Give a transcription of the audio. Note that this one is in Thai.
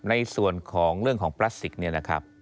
ในส่วนของเรื่องของพลาสติกเนี่ยนะครับ